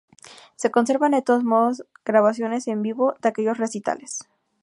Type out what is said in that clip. Se conservan de todos modos grabaciones en vivo de aquellos recitales.